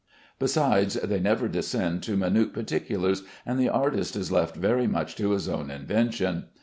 Besides, they never descend to minute particulars, and the artist is left very much to his own invention.